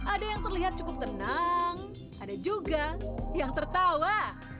ada yang terlihat cukup tenang ada juga yang tertawa